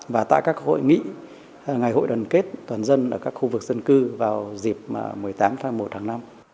và tại các hội nghị ngày hội đoàn kết toàn dân ở các khu vực dân cư vào dịp một mươi tám tháng một hàng năm